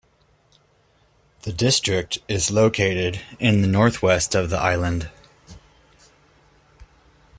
The district is located in the northwest of the island.